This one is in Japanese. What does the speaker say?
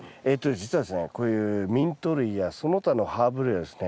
こういうミント類やその他のハーブ類はですね